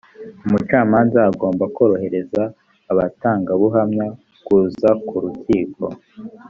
umucamanza agomba korohereza abatangabuhamya kuza ku rukiko